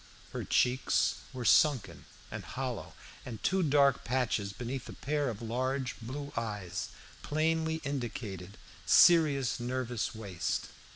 Her cheeks were sunken and hollow, and two dark patches beneath a pair of large blue eyes plainly indicated serious nervous waste.